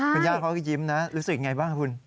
คุณย่าเขาก็ยิ้มนะรู้สึกยังไงบ้างคุณ